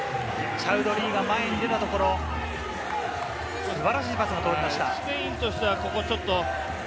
チャウドリーが前に出たところ、素晴らしいパスが通りました。